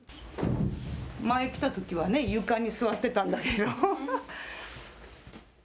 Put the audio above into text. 前来たときは床に座ってたんだけど。